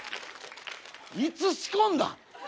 いつ仕込んだ？